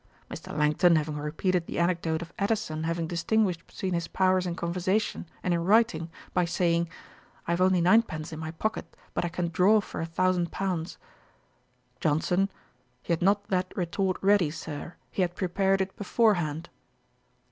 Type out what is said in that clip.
Mr. Langton having repeated the anecdote of Addison having distinguished between his powers in conversation and in writing, by saying 'I have only nine pence in my pocket; but I can draw for a thousand pounds;' JOHNSON. 'He had not that retort ready, Sir; he had prepared it before hand.'